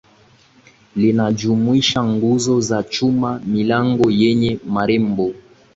Linajumuisha nguzo za chuma milango yenye marembo